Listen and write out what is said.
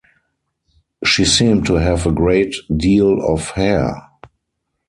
She seemed to have a great deal of hair